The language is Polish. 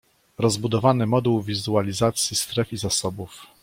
Rozbudowany moduł wizualizacji stref i zasobów